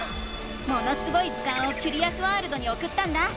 「ものすごい図鑑」をキュリアスワールドにおくったんだ。